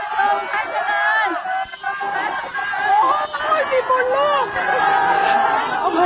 สงฆาตเจริญสงฆาตเจริญสงฆาตเจริญ